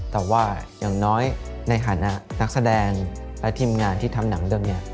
แต่ว่าอย่างน้อยในฐานะนักแสดงและทีมงานที่ทำหนังเรื่องนี้